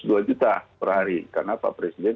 dua juta per hari karena pak presiden